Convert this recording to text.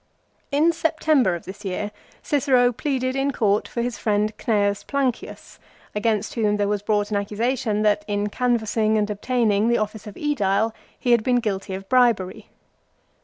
1 In September of this year Cicero pleaded in court for his friend Cn. Plancius, against whom there was brought an accusation that in canvassing and obtaining the office of ^Edile he had been guilty of bribery.